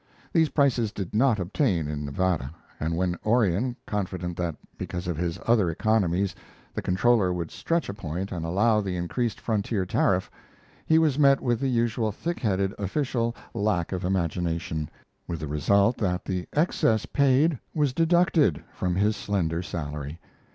These prices did not obtain in Nevada, and when Orion, confident that because of his other economies the comptroller would stretch a point and allow the increased frontier tariff, he was met with the usual thick headed official lack of imagination, with the result that the excess paid was deducted from his slender salary.